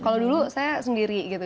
kalau dulu saya sendiri gitu